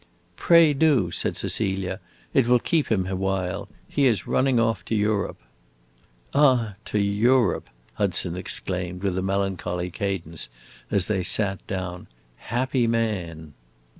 "Pray do," said Cecilia. "It will keep him a while. He is running off to Europe." "Ah, to Europe!" Hudson exclaimed with a melancholy cadence, as they sat down. "Happy man!"